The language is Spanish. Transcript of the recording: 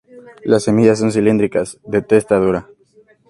Las semillas son cilíndricas, de testa dura.